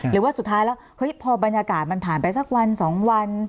หรือว่าสุดท้ายแล้วพอบรรยากาศมันผ่านไปสักวัน๒วัน